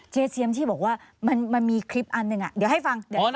เจสเซียมที่บอกว่ามันมีคลิปอันหนึ่งอ่ะเดี๋ยวให้ฟังเดี๋ยวให้ฟัง